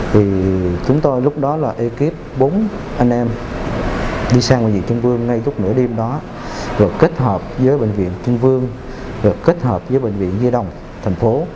thì chúng tôi lúc đó là ekip bốn anh em đi sang bệnh viện trung vương ngay lúc nửa đêm đó rồi kết hợp với bệnh viện trưng vương rồi kết hợp với bệnh viện di đồng thành phố